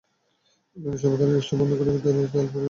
কিন্তু সবাই গাড়ির স্টার্ট বন্ধ করে রেখেছে তেল ফুরিয়ে যাওয়ার ভয়ে।